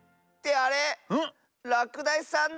あれ⁉らくだしさんだ。